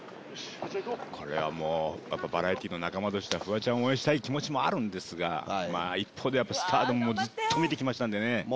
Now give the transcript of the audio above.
これはやっぱバラエティーの仲間としてはフワちゃんを応援したい気持ちもあるんですが一方でＳＴＡＲＤＯＭもずっと見て来ましたんでね。